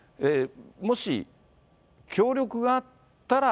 もし協力があったら、